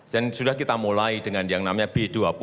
dan sudah kita mulai dengan yang namanya b dua puluh